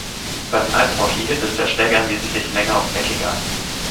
Beim Eishockey ist der Schläger wesentlich länger und eckiger.